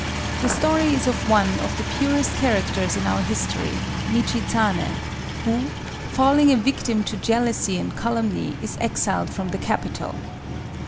] The story is of one of the purest characters in our history, Michizané, who, falling a victim to jealousy and calumny, is exiled from the capital.